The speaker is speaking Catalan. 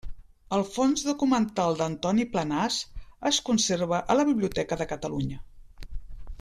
El fons documental d'Antoni Planàs es conserva a la Biblioteca de Catalunya.